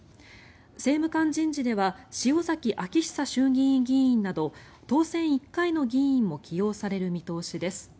政務官人事では塩崎彰久衆議院議員など当選１回の議員も起用される見通しです。